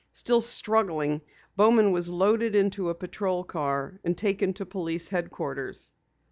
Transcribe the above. Still struggling, Bowman was loaded into a patrol wagon and taken to police headquarters.